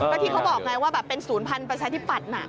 ก็ที่เขาบอกไงว่าแบบเป็นศูนย์พันธุ์ประชาธิปัตย์